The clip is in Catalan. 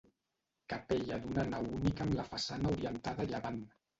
Capella d'una nau única amb la façana orientada a llevant.